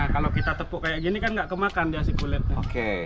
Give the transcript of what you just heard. kalau kita tepuk kayak gini kan nggak kemakan kulitnya